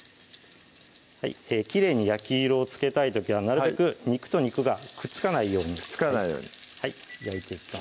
きれいに焼き色をつけたい時はなるべく肉と肉がくっつかないように焼いていきます